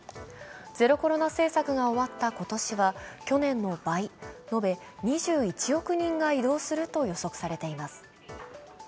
ゼロコロナ政策が終わった今年は去年の倍、延べ２１億人が移動すると予測されています。